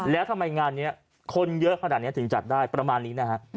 แล้วทำไมงานนี้คนเยอะขนาดนี้ถึงจัดได้ประมาณนี้นะฮะ